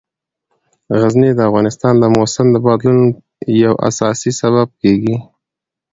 غزني د افغانستان د موسم د بدلون یو اساسي سبب کېږي.